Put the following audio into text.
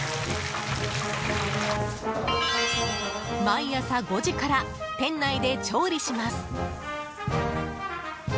毎朝５時から店内で調理します。